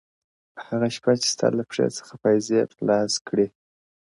په هغه شپه چي ستا له پښې څخه پايزېب خلاص کړی